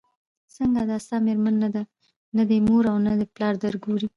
ځکه دا ستا مېرمن نه ده نه دي مور او پلار درګوري